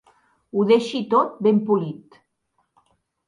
Ho deixi tot ben polit.